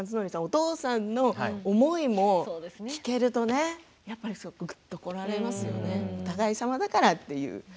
お父さんの思いも聞けるとねぐっときますよねお互いさまだからという。